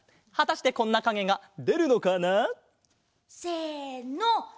はたしてこんなかげがでるのかな？せの！